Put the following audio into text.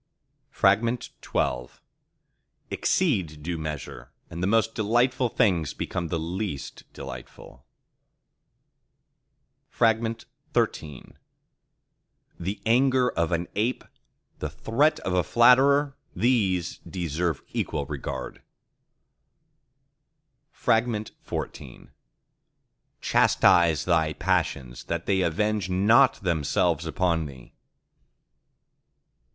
XII Exceed due measure, and the most delightful things become the least delightful. XIII The anger of an ape—the threat of a flatterer:—these deserve equal regard. XIV Chastise thy passions that they avenge not themselves upon thee.